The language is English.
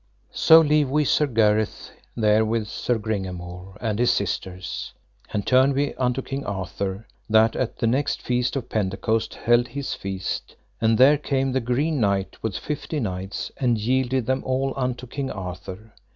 So leave we Sir Gareth there with Sir Gringamore and his sisters, and turn we unto King Arthur, that at the next feast of Pentecost held his feast; and there came the Green Knight with fifty knights, and yielded them all unto King Arthur.